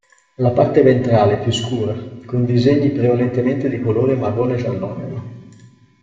La parte ventrale è più scura, con disegni prevalentemente di colore marrone-giallogolo.